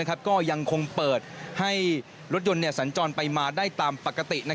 ก็ยังคงเปิดให้รถยนต์สัญจรไปมาได้ตามปกติ